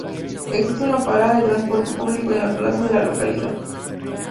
Existe una parada de transporte público en la plaza de la localidad.